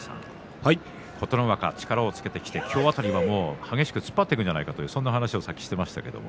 琴ノ若、力をつけて今日、辺り激しく突っ張っていくのではないかというふうにお話をしていましたね。